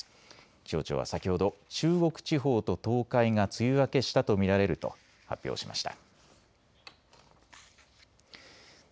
気象庁は先ほど中国地方と東海が梅雨明けしたと見られると発表しました。